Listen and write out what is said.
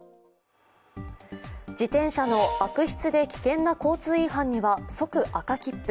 自転車の悪質で危険な交通違反には即赤切符。